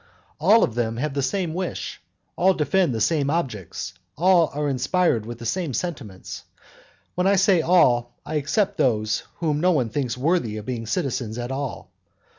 All of them have the same wish, all defend the same objects, all are inspired with the same sentiments. When I say all, I except those whom no one thinks worthy of being citizens at all.